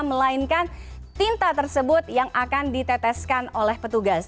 melainkan tinta tersebut yang akan diteteskan oleh petugas